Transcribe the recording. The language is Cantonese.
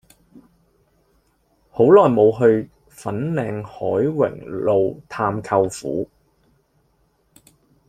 好耐無去粉嶺凱榮路探舅父